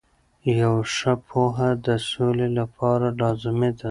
یوه ښه پوهه د سولې لپاره لازمي ده.